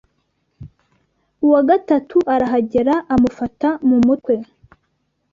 Uwa gatatu arahagera amufata mumutwe: